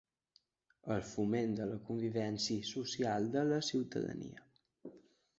El foment de la convivència social de la ciutadania.